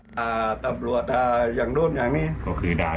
ปล่อยละครับ